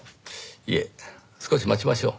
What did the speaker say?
いえ少し待ちましょう。